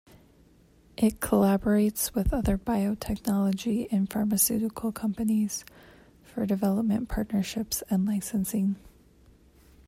It collaborates with other biotechnology and pharmaceutical companies, for development partnerships and licensing.